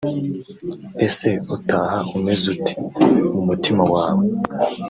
Ese utaha umeze ute mu mutima wawe